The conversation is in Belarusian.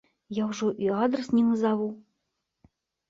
Я ўжо і адрас не назаву.